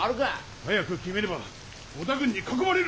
早く決めねば織田軍に囲まれる！